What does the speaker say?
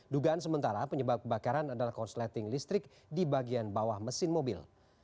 dugaan sementara penyebab kebakaran adalah korsleting listrik di bagian bawah mesin mobil